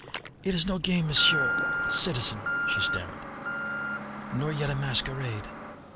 "It is no game, Monsieur ... citizen," she stammered; "nor yet a masquerade.